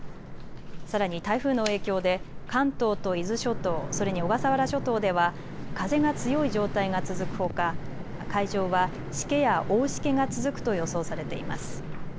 さらに台風の影響で関東と伊豆諸島、それに小笠原諸島では風が強い状態が続くほか海上はしけや大しけが続くと予想されています。